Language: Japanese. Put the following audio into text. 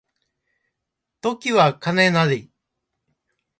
時は金なり